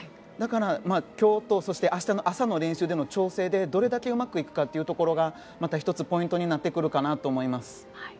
だから、今日とそして明日の朝の練習での調整でどれだけうまくいくかというところがまた１つポイントになってくると思います。